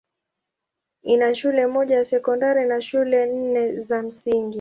Ina shule moja ya sekondari na shule nne za msingi.